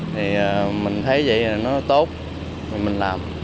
thì mình thấy vậy là nó tốt mình làm